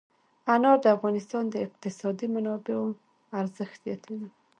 انار د افغانستان د اقتصادي منابعو ارزښت زیاتوي.